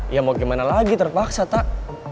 ya mau gimana lagi terpaksa tak